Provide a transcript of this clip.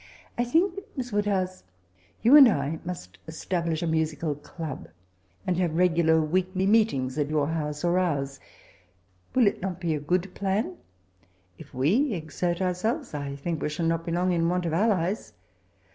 I think, Miss Woodhouse, you and I must establish a musical club, and have regular weekly meetings at your house, or ours. Will not it be a good plan f If we exert ourselves, I think we shall not be long In want of allies.